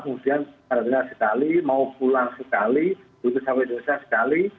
kemudian karantina sekali mau pulang sekali berhenti sampai indonesia sekali